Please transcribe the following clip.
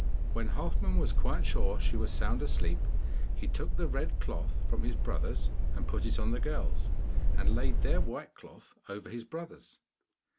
When Halfman was quite sure she was sound asleep, he took the red cloth from his brothers and put it on the girls, and laid their white cloth over his brothers.